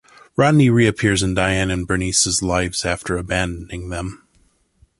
Rodney reappears in Diane and Bernice's lives after abandoning them.